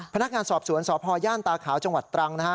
พนักงานสอบสวนสพย่านตาขาวจังหวัดตรังนะฮะ